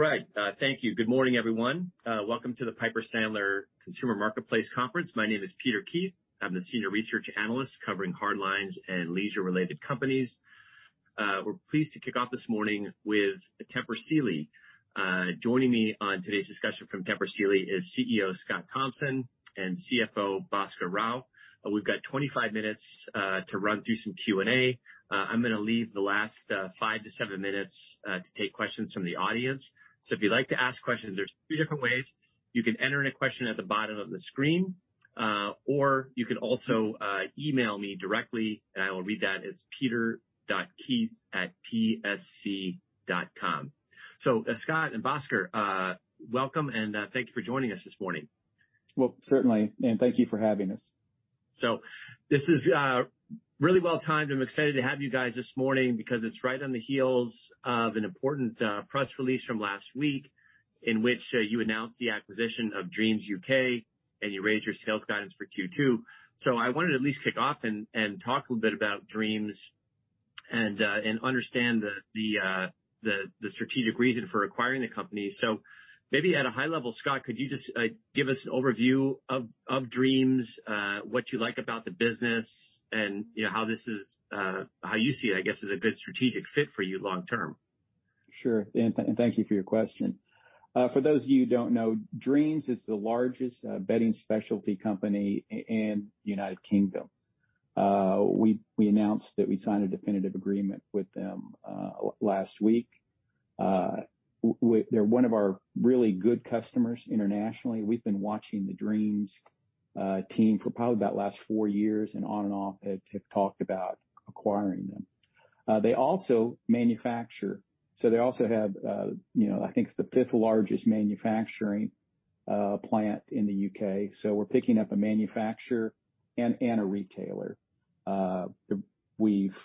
All right. Thank you. Good morning, everyone. Welcome to the Piper Sandler Consumer Marketplace Conference. My name is Peter Keith. I'm the senior research analyst covering hard lines and leisure-related companies. We're pleased to kick off this morning with Tempur Sealy. Joining me on today's discussion from Tempur Sealy is CEO, Scott Thompson, and CFO, Bhaskar Rao. We've got 25 minutes to run through some Q&A. I'm going to leave the last 5-7 minutes to take questions from the audience. If you'd like to ask questions, there's three different ways. You can enter in a question at the bottom of the screen, or you can also email me directly, and I will read that. It's peter.keith@psc.com. Scott and Bhaskar, welcome, and thanks for joining us this morning. Well, certainly. Thank you for having us. This is really well-timed. I'm excited to have you guys this morning because it's right on the heels of an important press release from last week in which you announced the acquisition of Dreams U.K., and you raised your sales guidance for Q2. I want to at least kick off and talk a little bit about Dreams and understand the strategic reason for acquiring the company. Maybe at a high level, Scott, could you just give us an overview of Dreams, what you like about the business, and how you see it, I guess, as a good strategic fit for you long term? Sure, thank you for your question. For those of you who don't know, Dreams is the largest bedding specialty company in the United Kingdom. We announced that we signed a definitive agreement with them last week. They're one of our really good customers internationally. We've been watching the Dreams team for probably about the last four years and on and off have talked about acquiring them. They also manufacture. They also have I think it's the fifth-largest manufacturing plant in the U.K. So we're picking up a manufacturer and a retailer. We've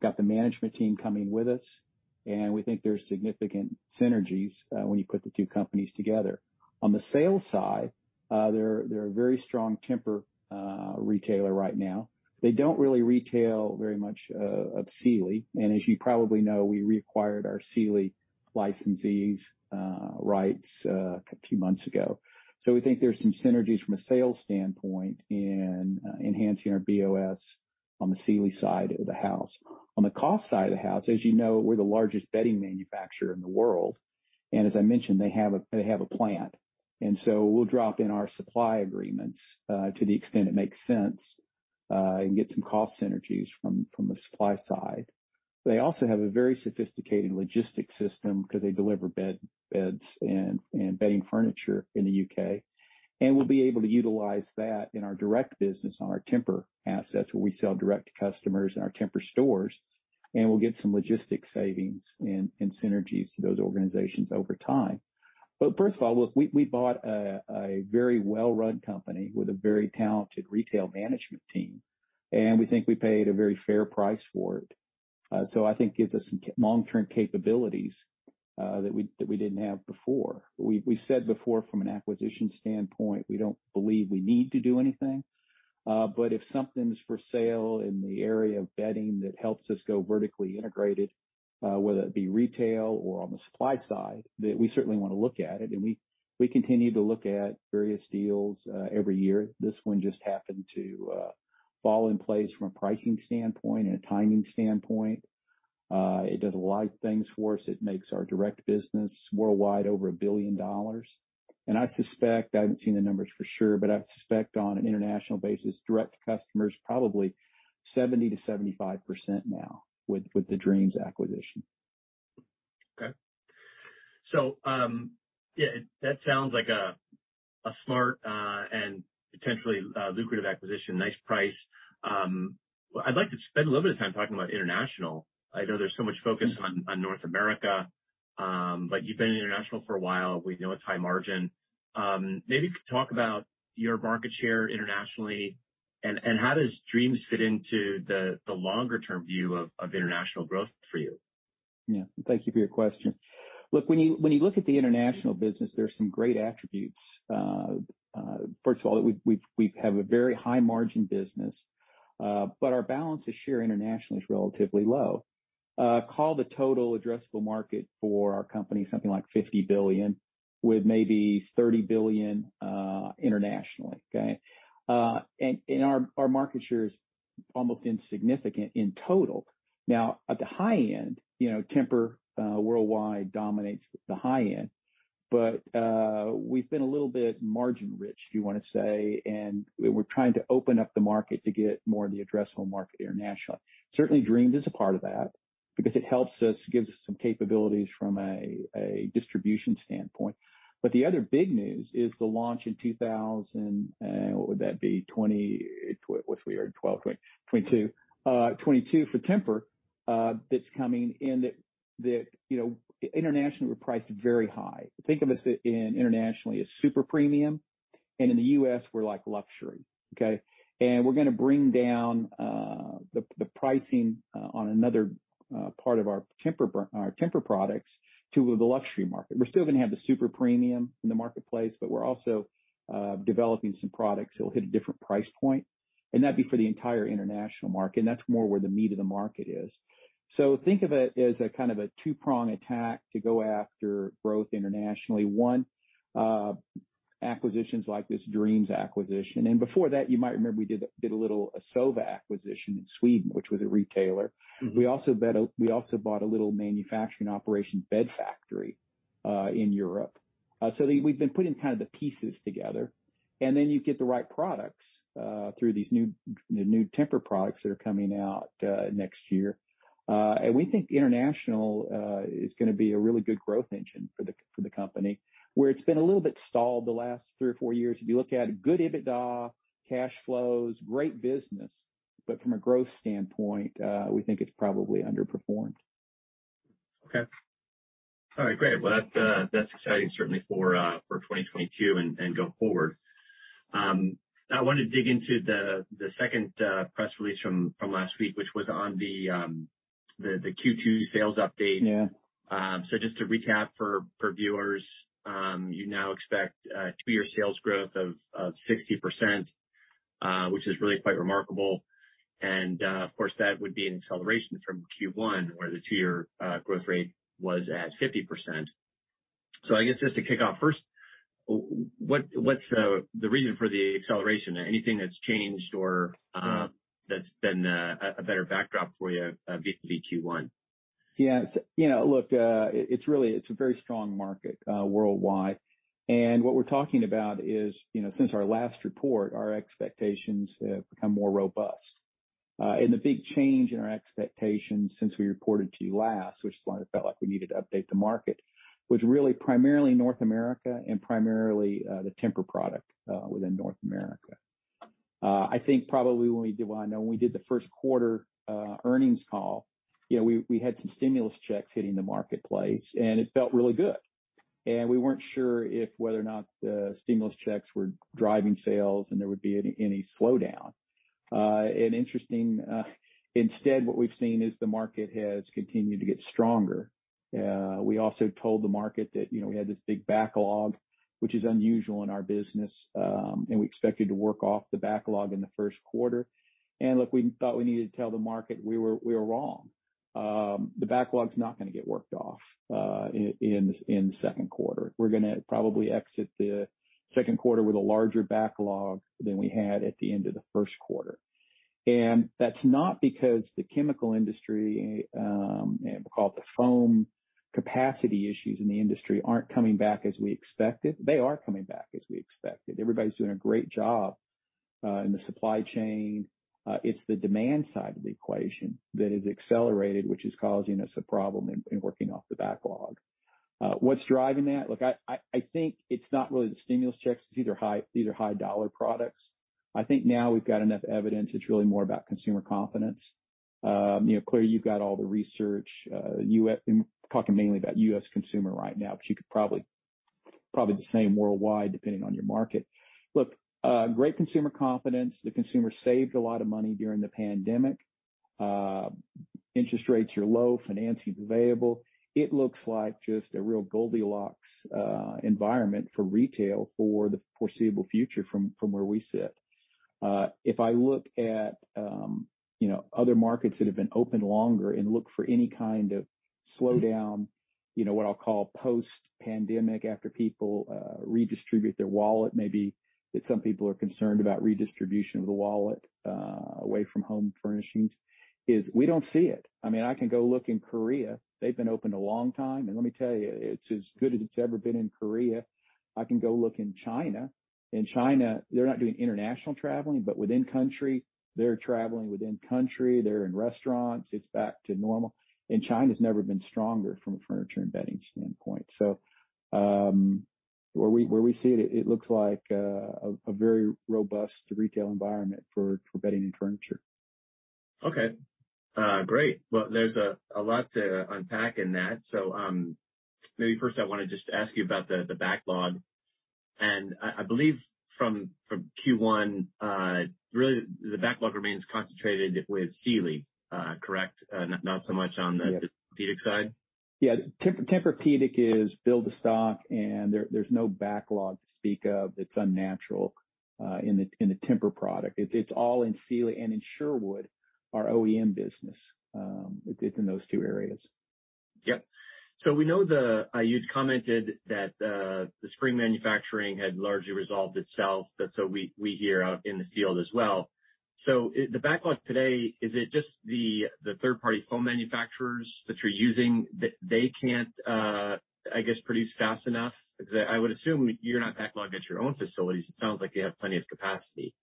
got the management team coming with us, and we think there's significant synergies when you put the two companies together. On the sales side, they're a very strong Tempur retailer right now. They don't really retail very much of Sealy, and as you probably know, we reacquired our Sealy licensees rights a few months ago. We think there's some synergies from a sales standpoint in enhancing our BOS on the Sealy side of the house. On the cost side of the house, as you know, we're the largest bedding manufacturer in the world, as I mentioned, they have a plant, we'll drop in our supply agreements to the extent it makes sense and get some cost synergies from the supply side. They also have a very sophisticated logistics system because they deliver beds and bedding furniture in the U.K. We'll be able to utilize that in our direct business on our Tempur assets where we sell direct to customers in our Tempur stores, we'll get some logistics savings and synergies to those organizations over time. First of all, we bought a very well-run company with a very talented retail management team, and we think we paid a very fair price for it. I think it gives us some long-term capabilities that we didn't have before. We said before, from an acquisition standpoint, we don't believe we need to do anything. If something's for sale in the area of bedding that helps us go vertically integrated, whether it be retail or on the supply side, we certainly want to look at it, and we continue to look at various deals every year. This one just happened to fall in place from a pricing standpoint and a timing standpoint. It does a lot of things for us. It makes our direct business worldwide over $1 billion. I suspect, I haven't seen the numbers for sure, but I'd suspect on an international basis, direct to customer is probably 70%- 75% now with the Dreams acquisition. Okay. Yeah, that sounds like a smart and potentially lucrative acquisition. Nice price. I'd like to spend a little bit of time talking about international. I know there's so much focus on North America, but you've been international for a while. We know it's high margin. Maybe you could talk about your market share internationally, and how does Dreams fit into the longer-term view of international growth for you? Yeah. Thank you for your question. Look, when you look at the international business, there's some great attributes. First of all, we have a very high-margin business. Our balance of share internationally is relatively low. Call the total addressable market for our company something like $50 billion, with maybe $30 billion internationally. Okay? Our market share is almost insignificant in total. Now, at the high end, Tempur worldwide dominates the high end. We've been a little bit margin-rich, you want to say. We're trying to open up the market to get more of the addressable market internationally. Certainly, Dreams is a part of that because it helps us, gives us some capabilities from a distribution standpoint. The other big news is the launch in 2000, what would that be? What's the year? 2022. 2022 for Tempur it's coming. That internationally we're priced very high. Think of us internationally as super premium. In the U.S., we're like luxury. Okay. We're going to bring down the pricing on another part of our Tempur products to the luxury market. We're still going to have the super premium in the marketplace. We're also developing some products that will hit a different price point. That'd be for the entire international market. That's more where the meat of the market is. Think of it as a kind of a two-pronged attack to go after growth internationally. One, acquisitions like this Dreams acquisition. Before that, you might remember we did a little SOVA acquisition in Sweden, which was a retailer. We also bought a little manufacturing operation bed factory, in Europe. We've been putting kind of the pieces together, and then you get the right products through these new Tempur products that are coming out next year. We think international is going to be a really good growth engine for the company, where it's been a little bit stalled the last three or four years. If you look at good EBITDA, cash flows, great business. From a growth standpoint, we think it's probably underperformed. Okay. All right, great. Well, that's exciting certainly for 2022 and going forward. I wanted to dig into the second press release from last week, which was on the Q2 sales update. Just to recap for viewers, you now expect two-year sales growth of 60%, which is really quite remarkable. Of course, that would be an acceleration from Q1, where the two-year growth rate was at 50%. I guess just to kick off first, what's the reason for the acceleration? Anything that's changed or that's been a better backdrop for you vis-à-vis Q1? Yes. Look, it's a very strong market worldwide. What we're talking about is, since our last report, our expectations have become more robust. The big change in our expectations since we reported to you last, which is why it felt like we needed to update the market, was really primarily North America and primarily the Tempur product within North America. I think probably when we did the first quarter earnings call, we had some stimulus checks hitting the marketplace, and it felt really good. We weren't sure if whether or not the stimulus checks were driving sales and there would be any slowdown. Interesting, instead, what we've seen is the market has continued to get stronger. We also told the market that we had this big backlog, which is unusual in our business, and we expected to work off the backlog in the first quarter. Look, we thought we needed to tell the market we were wrong. The backlog's not going to get worked off in the second quarter. We're going to probably exit the second quarter with a larger backlog than we had at the end of the first quarter. That's not because the chemical industry, we call it the foam capacity issues in the industry, aren't coming back as we expected. They are coming back as we expected. Everybody's doing a great job in the supply chain. It's the demand side of the equation that has accelerated, which is causing us a problem in working off the backlog. What's driving that? Look, I think it's not really the stimulus checks, these are high dollar products. I think now we've got enough evidence, it's really more about consumer confidence. Peter, you've got all the research, talking mainly about U.S. consumer right now, but you could probably the same worldwide, depending on your market. Look, great consumer confidence. The consumer saved a lot of money during the pandemic. Interest rates are low, financing's available. It looks like just a real Goldilocks environment for retail for the foreseeable future from where we sit. If I look at other markets that have been open longer and look for any kind of slowdown, what I'll call post-pandemic after people redistribute their wallet, maybe that some people are concerned about redistribution of the wallet away from home furnishings, is we don't see it. I can go look in Korea. They've been open a long time, and let me tell you, it's as good as it's ever been in Korea. I can go look in China. In China, they're not doing international traveling, but within country, they're traveling within country, they're in restaurants. It's back to normal. China's never been stronger from a furniture and bedding standpoint. Where we sit, it looks like a very robust retail environment for bedding and furniture. Okay. Great. Well, there's a lot to unpack in that. Maybe first I want to just ask you about the backlog. I believe from Q1, really, the backlog remains concentrated with Sealy, correct? Yes. Not so much on the Pedic side? Yeah. Tempur-Pedic is built to stock, and there's no backlog to speak of that's unnatural in the Tempur product. It's all in Sealy and in Sherwood, our OEM business. It's in those two areas. Yep. We know you'd commented that the spring manufacturing had largely resolved itself, that we hear out in the field as well. The backlog today, is it just the third-party foam manufacturers that you're using, that they can't, I guess, produce fast enough? Because I would assume you're not backlogged at your own facilities. It sounds like you have plenty of capacity.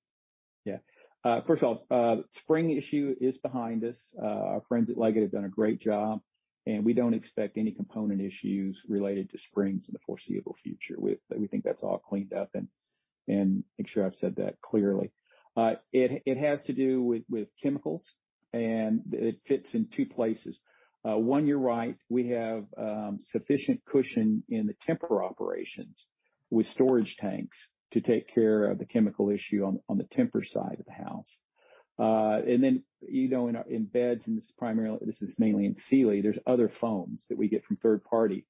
First of all, spring issue is behind us. Our friends at Leggett have done a great job. We don't expect any component issues related to springs in the foreseeable future. We think that's all cleaned up. Make sure I've said that clearly. It has to do with chemicals. It fits in two places. One, you're right, we have sufficient cushion in the Tempur operations with storage tanks to take care of the chemical issue on the Tempur side of the house. In beds, this is mainly in Sealy, there's other foams that we get from third-party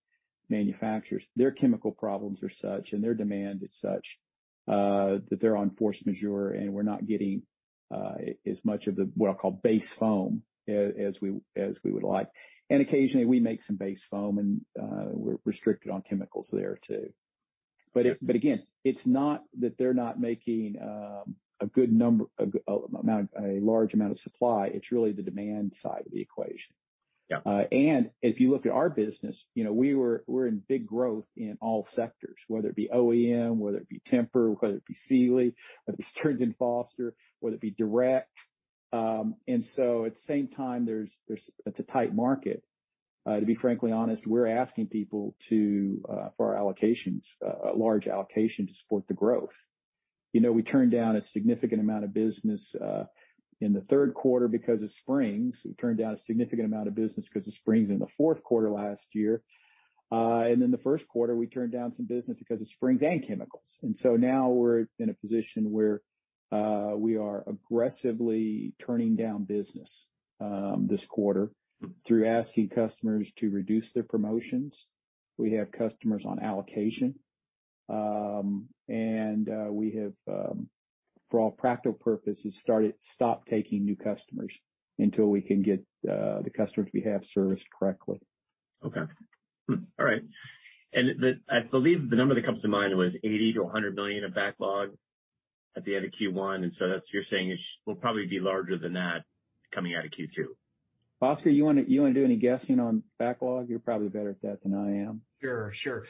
manufacturers. Their chemical problems are such, their demand is such that they're on force majeure. We're not getting as much of the, what I call base foam, as we would like. Occasionally we make some base foam. We're restricted on chemicals there too. Again, it's not that they're not making a large amount of supply, it's really the demand side of the equation. If you look at our business, we're in big growth in all sectors, whether it be OEM, whether it be Tempur, whether it be Sealy, whether it's Stearns & Foster, whether it be direct. At the same time it's a tight market. To be frankly honest, we're asking people for allocations, a large allocation to support the growth. We turned down a significant amount of business in the third quarter because of springs. We turned down a significant amount of business because of springs in the fourth quarter last year. In the first quarter, we turned down some business because of spring and chemicals. Now we're in a position where we are aggressively turning down business this quarter through asking customers to reduce their promotions. We have customers on allocation. We have for all practical purposes, stopped taking new customers until we can get the customers we have serviced correctly. Okay. All right. I believe the number that comes to mind was $80 million-$100 million of backlog at the end of Q1. That's what you're saying is will probably be larger than that coming out of Q2. Bhaskar, you want to do any guessing on backlog? You're probably better at that than I am. Sure.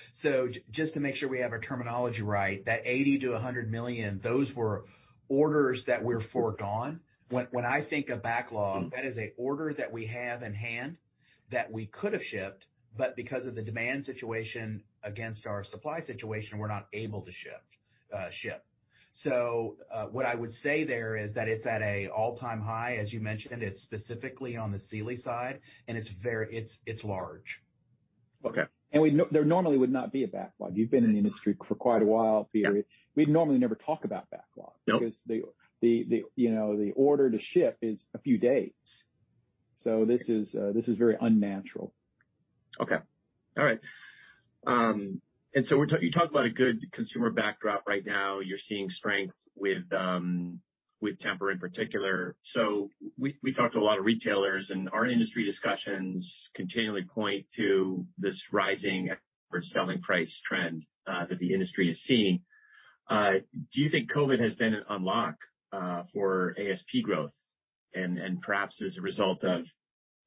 Just to make sure we have our terminology right, that $80 million-$100 million, those were orders that were forgone? When I think of backlog, that is a order that we have in hand that we could have shipped, but because of the demand situation against our supply situation, we're not able to ship. What I would say there is that it's at a all-time high, as you mentioned. It's specifically on the Sealy side, and it's large. There normally would not be a backlog. You've been in the industry for quite a while, Peter. We'd normally never talk about backlog because the order to ship is a few days. This is very unnatural. Okay. All right. You talk about a good consumer backdrop right now. You're seeing strength with Tempur in particular. We talked to a lot of retailers, and our industry discussions continually point to this rising or selling price trend that the industry is seeing. Do you think COVID has been an unlock for ASP growth and perhaps as a result of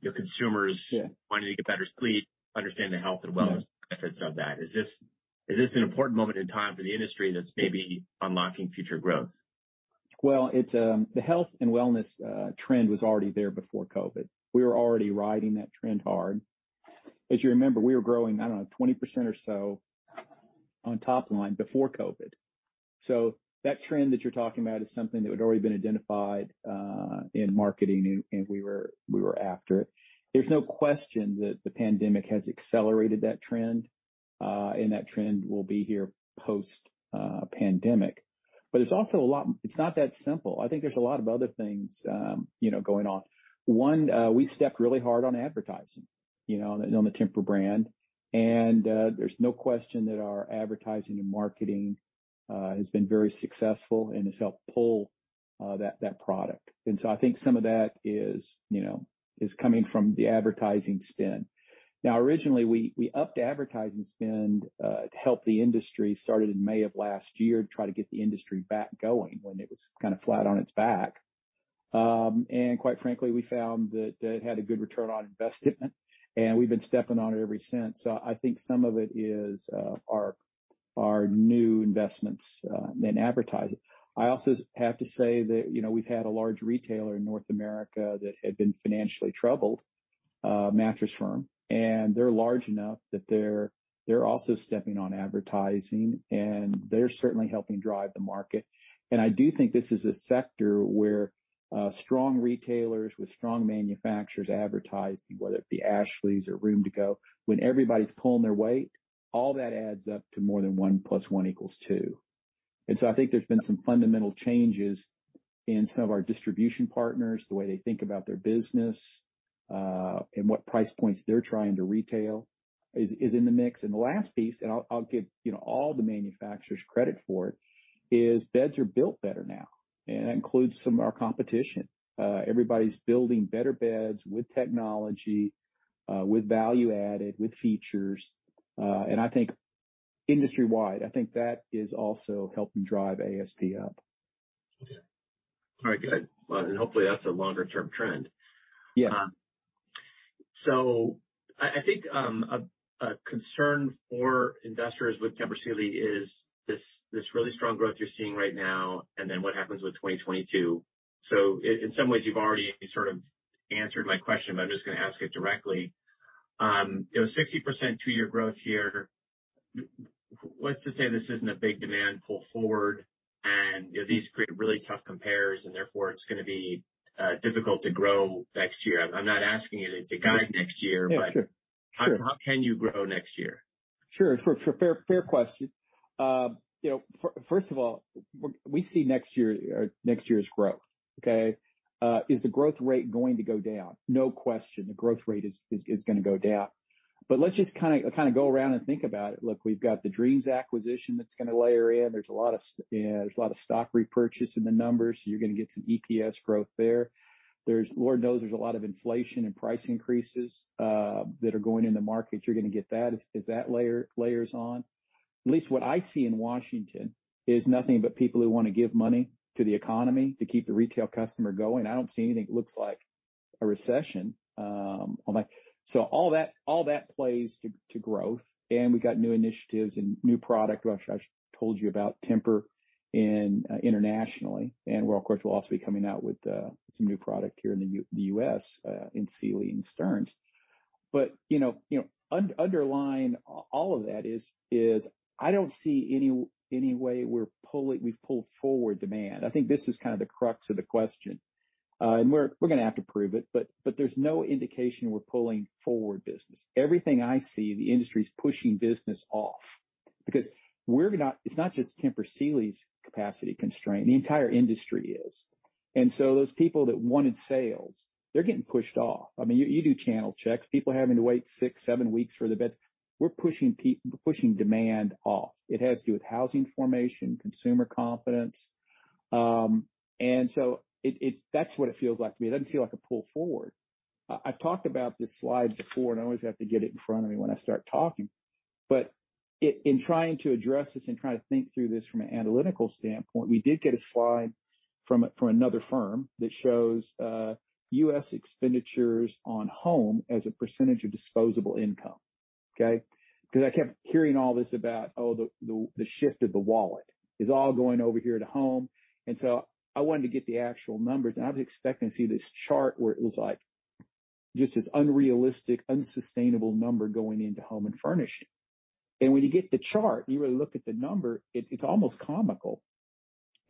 the consumers wanting to get better sleep, understand the health and wellness benefits of that? Is this an important moment in time for the industry that's maybe unlocking future growth? Well, the health and wellness trend was already there before COVID. We were already riding that trend hard. As you remember, we were growing, I don't know, 20% or so on top line before COVID. That trend that you're talking about is something that had already been identified in marketing, and we were after it. There's no question that the pandemic has accelerated that trend, and that trend will be here post-pandemic. It's not that simple. I think there's a lot of other things going on. One, we stepped really hard on advertising on the Tempur brand, and there's no question that our advertising and marketing has been very successful and has helped pull that product. I think some of that is coming from the advertising spend. Now, originally, we upped advertising spend to help the industry, started in May of last year to try to get the industry back going when it was kind of flat on its back. Quite frankly, we found that that had a good return on investment, and we've been stepping on it ever since. I think some of it is our new investments in advertising. I also have to say that we've had a large retailer in North America that had been financially troubled, Mattress Firm, and they're large enough that they're also stepping on advertising, and they're certainly helping drive the market. I do think this is a sector where strong retailers with strong manufacturers advertise, whether it be Ashley's or Rooms To Go, when everybody's pulling their weight, all that adds up to more than 1+1=2. I think there's been some fundamental changes in some of our distribution partners, the way they think about their business, and what price points they're trying to retail is in the mix. The last piece, and I'll give all the manufacturers credit for it, is beds are built better now, and that includes some of our competition. Everybody's building better beds with technology, with value added, with features. I think industry wide, I think that is also helping drive ASP up. Okay. All right, good. Well, hopefully that's a longer-term trend. I think a concern for investors with Tempur Sealy is this really strong growth you're seeing right now, and then what happens with 2022? In some ways you've already sort of answered my question, but I'm just going to ask it directly. 60% two-year growth here. Let's just say this isn't a big demand pull forward, and these create really tough compares and therefore it's going to be difficult to grow next year. I'm not asking you to guide next year but how can you grow next year? Sure. Fair question. First of all, we see next year as growth. Okay. Is the growth rate going to go down? No question, the growth rate is going to go down. Let's just go around and think about it. Look, we've got the Dreams acquisition that's going to layer in. There's a lot of stock repurchase in the numbers. You're going to get some EPS growth there. Lord knows there's a lot of inflation and price increases that are going in the market. You're going to get that as that layers on. At least what I see in Washington is nothing but people who want to give money to the economy to keep the retail customer going. I don't see anything that looks like a recession. All that plays to growth. We've got new initiatives and new product, which I've told you about, Tempur internationally. We, of course, will also be coming out with some new product here in the U.S. in Sealy and Stearns. Underlying all of that is I don't see any way we've pulled forward demand. I think this is kind of the crux of the question. We're going to have to prove it, but there's no indication we're pulling forward business. Everything I see, the industry's pushing business off because it's not just Tempur Sealy's capacity constraint, the entire industry is. Those people that wanted sales, they're getting pushed off. You do channel checks, people having to wait six, seven weeks for the beds. We're pushing demand off. It has to do with housing formation, consumer confidence. That's what it feels like to me. It doesn't feel like a pull forward. I've talked about this slide before, and I always have to get it in front of me when I start talking. In trying to address this and trying to think through this from an analytical standpoint, we did get a slide from another firm that shows U.S. expenditures on home as a percentage of disposable income. Okay? I kept hearing all this about, oh, the shift of the wallet is all going over here to home. I wanted to get the actual numbers, and I was expecting to see this chart where it was like just this unrealistic, unsustainable number going into home and furnishing. When you get the chart, you really look at the number, it's almost comical.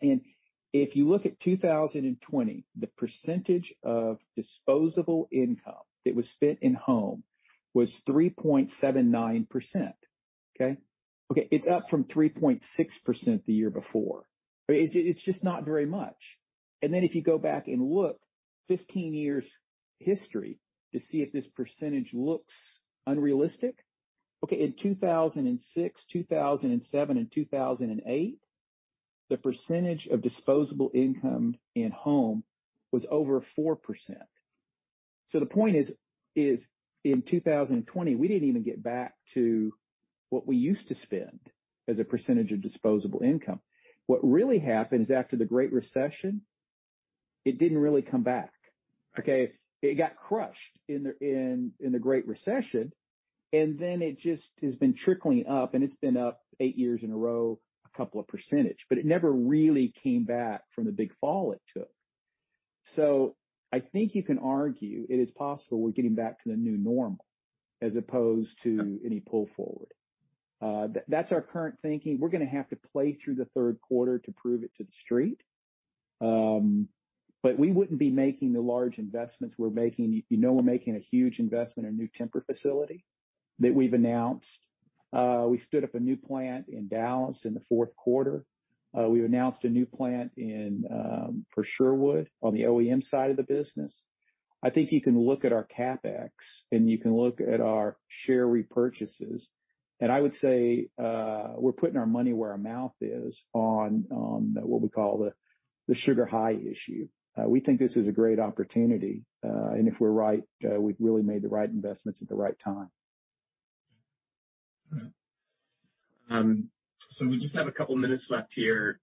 If you look at 2020, the percentage of disposable income that was spent in home was 3.79%. Okay? It's up from 3.6% the year before. It's just not very much. If you go back and look 15 years history to see if this percentage looks unrealistic. In 2006, 2007, and 2008, the percentage of disposable income in home was over 4%. The point is, in 2020, we didn't even get back to what we used to spend as a percentage of disposable income. What really happened is after the Great Recession, it didn't really come back. It got crushed in the Great Recession, it just has been trickling up, it's been up eight years in a row, a couple of percentage, it never really came back from the big fall it took. I think you can argue it is possible we're getting back to the new normal as opposed to any pull forward. That's our current thinking. We're going to have to play through the third quarter to prove it to the Street. We wouldn't be making the large investments we're making. You know we're making a huge investment in a new Tempur facility that we've announced. We stood up a new plant in Dallas in the fourth quarter. We announced a new plant for Sherwood on the OEM side of the business. I think you can look at our CapEx and you can look at our share repurchases, and I would say we're putting our money where our mouth is on what we call the sugar high issue. We think this is a great opportunity. If we're right, we've really made the right investments at the right time. All right. We just have a couple minutes left here.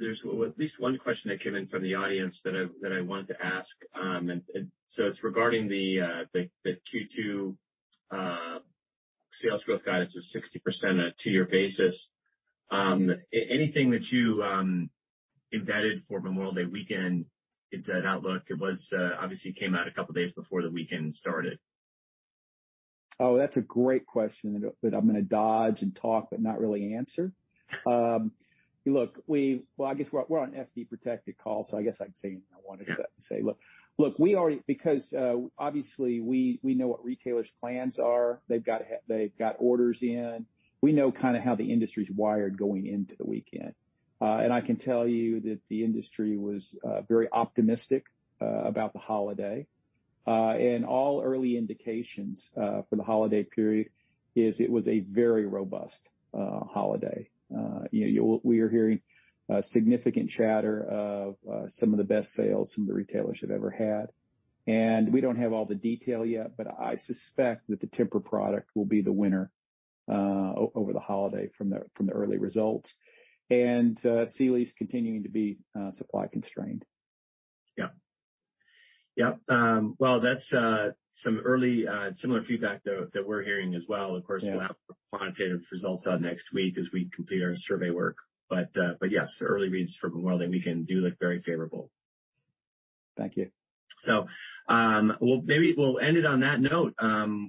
There's at least one question that came in from the audience that I wanted to ask. It's regarding the Q2 sales growth guidance of 60% on a two-year basis. Anything that you embedded for Memorial Day weekend in that outlook? Obviously, it came out a couple days before the weekend started. Oh, that's a great question that I'm going to dodge and talk but not really answer. Look, well, I guess we're on FD protected call, so I guess I can say anything I wanted to say. Look, obviously, we know what retailers' plans are. They've got orders in. We know kind of how the industry's wired going into the weekend. I can tell you that the industry was very optimistic about the holiday. All early indications for the holiday period is it was a very robust holiday. We are hearing significant chatter of some of the best sales some of the retailers have ever had. We don't have all the detail yet, but I suspect that the Tempur product will be the winner over the holiday from the early results. Sealy's continuing to be supply constrained. Yeah. Well, that's some early similar feedback, though, that we're hearing as well. Of course, we'll have quantitative results out next week as we complete our survey work. Yes, the early reads for Memorial Day weekend do look very favorable. Thank you. Maybe we'll end it on that note.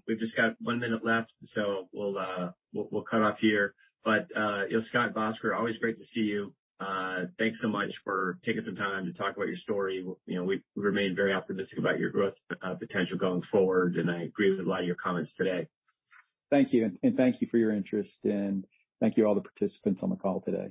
We've just got one minute left, so we'll cut off here. Scott, Bhaskar, always great to see you. Thanks so much for taking some time to talk about your story. We remain very optimistic about your growth potential going forward, and I agree with a lot of your comments today. Thank you. Thank you for your interest, and thank you all the participants on the call today.